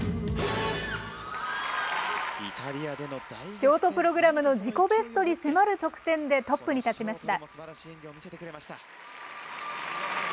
ショートプログラムの自己ベストに迫る得点でトップに立ちました。